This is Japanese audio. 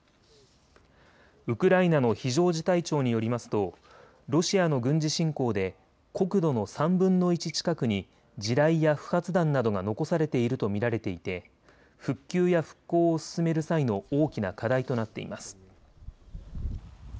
ウクライナの非常事態庁によりますとロシアの軍事侵攻で国土の３分の１近くに地雷や不発弾などが残されていると見られていて復旧や復興を進める際の大きな課題となっています。